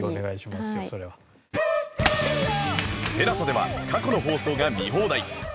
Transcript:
ＴＥＬＡＳＡ では過去の放送が見放題